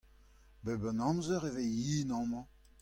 Bep an amzer e vez yen amañ.